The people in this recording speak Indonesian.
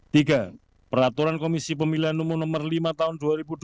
tiga peraturan komisi pemilihan nomor lima tahun dua ribu dua puluh